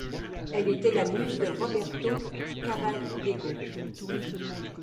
Elle était la muse de Roberto Cavallego.